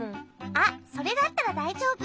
あっそれだったらだいじょうぶ。